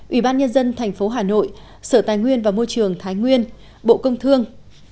ủy ban nhân dân tp hà nội sở tài nguyên và môi trường thái nguyên bộ công thương